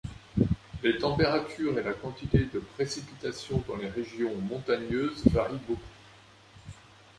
Les températures et la quantité de précipitations dans les régions montagneuses varient beaucoup.